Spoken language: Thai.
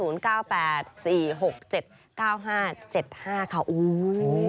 อุ๊ยอวบอุ่มอุ๊ยอุ๊ย